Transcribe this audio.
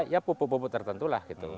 ya pupu pupuk tertentu lah gitu